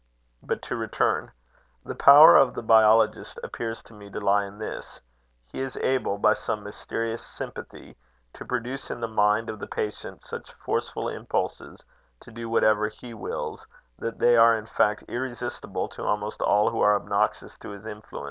But to return: the power of the biologist appears to me to lie in this he is able, by some mysterious sympathy, to produce in the mind of the patient such forceful impulses to do whatever he wills, that they are in fact irresistible to almost all who are obnoxious to his influence.